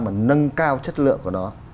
mà nâng cao chất lượng của nó